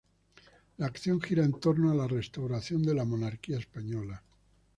La acción gira en tomo a la restauración de la monarquía española.